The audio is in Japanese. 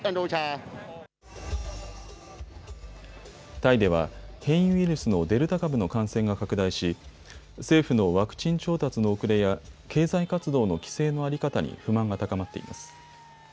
タイでは変異ウイルスのデルタ株の感染が拡大し政府のワクチン調達の遅れや経済活動の規制の在り方に不満が高まっています。